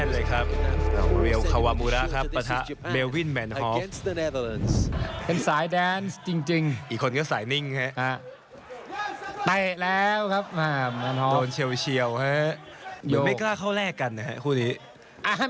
ไม่กล้าเข้าแลกกันนะครับคู่นี้